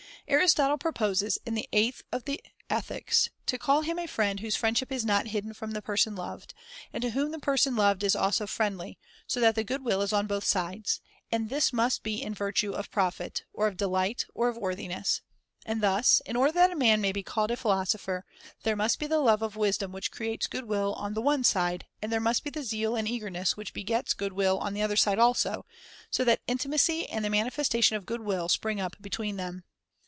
Aristotle proposes, in the eighth of the Ethics, to call him a friend whose friendship is not hidden from the person loved, and to whom the person loved is also friendly, so that the good will is on both sides ; and this must be in virtue of profit [803, or of delight, or of worthiness. And thus, in order that a man may be called a philosopher, there must be the love of wisdom which creates goodwill on the one side, and there must be the zeal and eagerness which begets goodwill on the other side also, so that intimacy and the manifestation of goodwill spring up between them.